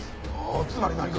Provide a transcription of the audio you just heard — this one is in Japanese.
つまり何か？